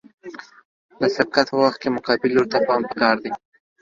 د سبقت په وخت کې مقابل لوري ته پام پکار دی